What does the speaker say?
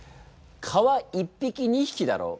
蚊は１匹２匹だろう。